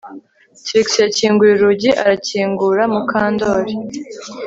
Trix yakinguye urugi arakingura Mukandoli